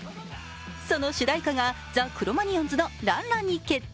その主題歌がザ・クロマニヨンズの「ランラン」に決定。